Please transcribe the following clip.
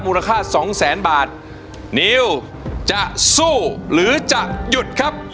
มูลค่าสองแสนบาทนิวจะสู้หรือจะหยุดครับ